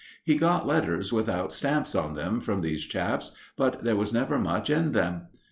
He got letters without stamps on them from these chaps, but there was never much in them.